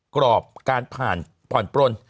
กรอบการผ่านผ่อนปลน